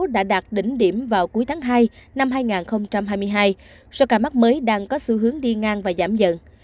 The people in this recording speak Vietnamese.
đã đạt đỉnh điểm vào cuối tháng hai năm hai nghìn hai mươi hai số ca mắc mới đang có xu hướng đi ngang và giảm dần